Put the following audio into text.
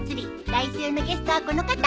来週のゲストはこの方！